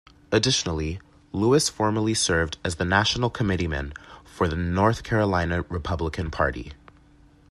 Additionally, Lewis formerly served as the National Committeeman for the North Carolina Republican Party.